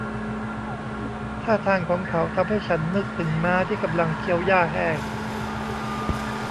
ท่าทางของเขาทำให้ฉันนึกถึงม้าที่กำลังเคี้ยวหญ้าแห้ง